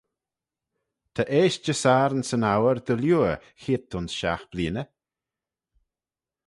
Ta eayst Jesarn 'syn ouyr dy-liooar cheayrt ayns shiaght bleeaney.